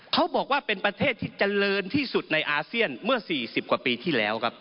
เขาบอกว่าเป็นประเทศที่เจริญที่สุดในอาเซียนเมื่อ๔๐กว่าปีที่แล้วครับ